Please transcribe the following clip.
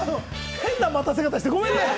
変な待たせ方して、ごめんね。